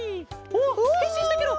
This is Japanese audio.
おっへんしんしたケロ！